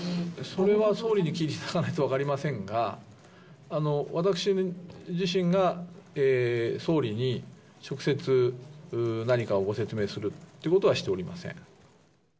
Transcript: それは総理に聞かないと分かりませんが、私自身が、総理に直接何かをご説明するっていうことはしておりません。